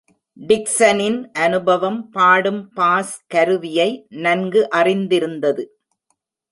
டிக்சனின் அனுபவம் பாடும் பாஸ் கருவியை நன்கு அறிந்திருந்தது.